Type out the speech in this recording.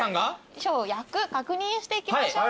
役確認していきましょう。